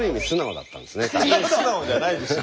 素直じゃないですよ